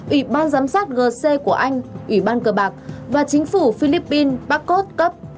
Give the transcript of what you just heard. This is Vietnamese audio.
ủy ban giám sát gc của anh ủy ban cờ bạc và chính phủ philippines barcos cấp